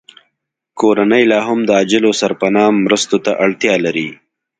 کورنۍ لاهم د عاجلو سرپناه مرستو ته اړتیا لري